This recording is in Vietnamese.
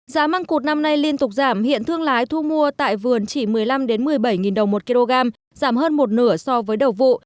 giá măng cụt năm nay liên tục giảm hiện thương lái thu mua tại vườn chỉ một mươi năm một mươi bảy đồng một kg giảm hơn một nửa so với đầu vụ